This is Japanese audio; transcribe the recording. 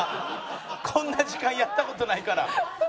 こんな時間やった事ないから。